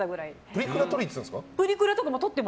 プリクラ撮りに行ってたんですか？